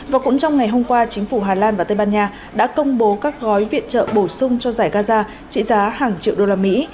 và cũng trong ngày hôm qua chính phủ hà lan và tây ban nha đã công bố các gói viện trợ bổ sung cho giải gaza trị giá hàng triệu đô la mỹ